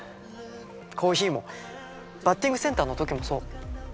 コーヒーもバッティングセンターの時もそう。